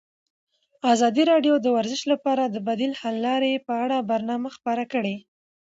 ازادي راډیو د ورزش لپاره د بدیل حل لارې په اړه برنامه خپاره کړې.